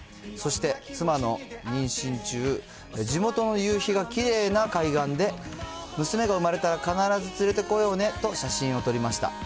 そして妻の妊娠中、地元の夕日がきれいな海岸で、娘が産まれたら必ず連れてこようねと写真を撮りました。